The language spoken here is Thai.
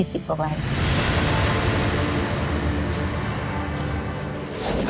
อันนี้๔๐กว่าไหร่